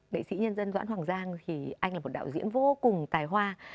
nghệ sĩ nhân dân doãn hoàng giang thì anh là một đạo diễn vô cùng tài hoa